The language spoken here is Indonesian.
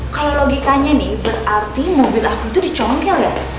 kalau logikanya nih berarti mobil aku itu dicongkel ya